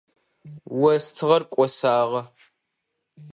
Остыгъэр кӏосагъэ.